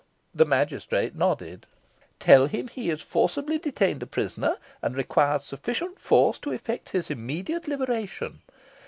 The magistrate nodded. "Tell him he is forcibly detained a prisoner, and requires sufficient force to effect his immediate liberation.